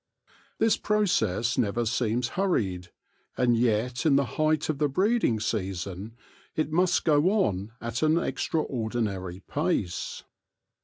This process never seems hurried, and yet in the height of the breeding season it must go on at an extraordinary pace.